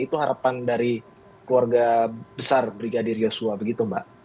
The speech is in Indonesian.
itu harapan dari keluarga besar brigadir yosua begitu mbak